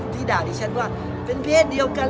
ที่ด่าดิฉันว่าเป็นเพศเดียวกัน